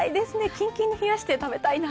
キンキンに冷やして食べたいな。